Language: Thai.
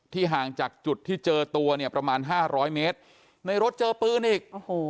ห่างจากจุดที่เจอตัวเนี่ยประมาณห้าร้อยเมตรในรถเจอปืนอีกโอ้โห